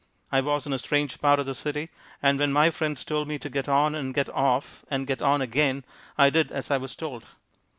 I was in a strange part of the city and when my friends told me to get on and get off and get on again I did as I was told.